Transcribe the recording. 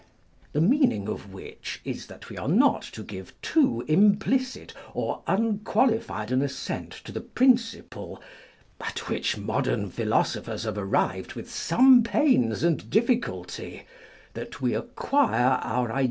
The meaning of which is, that we are not to give too implicit or unqualified an assent to the principle, at which modern philosophers havo arrived with some pains and difficulty, that we acquire our ideas 1 Physiognomical System of Drs.